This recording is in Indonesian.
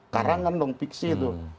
karangan dong fiksi itu